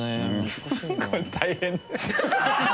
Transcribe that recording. これ大変。